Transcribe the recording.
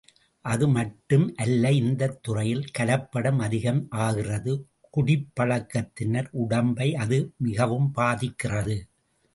அது மட்டும் அல்ல இந்தத் துறையில் கலப்படம் அதிகம் ஆகிறது குடிப்பழக்கத்தினர் உடம்பை அது மிகவும் பாதிக்கிறது.